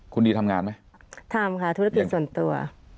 คุณดีทำงานไหมทำค่ะธุรกิจส่วนตัว